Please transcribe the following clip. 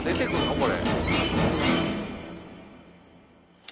これ。